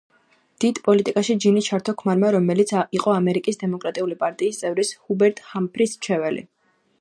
დიდ პოლიტიკაში ჯინი ჩართო ქმარმა, რომელიც იყო ამერიკის დემოკრატიული პარტიის წევრის, ჰუბერტ ჰამფრის მრჩეველი.